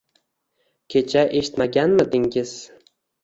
— Kecha eshitmaganmidingiz?